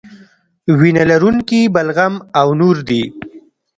وینه لرونکي بلغم او نور دي.